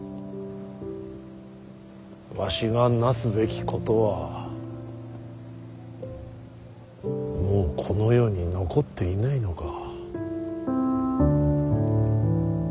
わしがなすべきことはもうこの世に残っていないのか。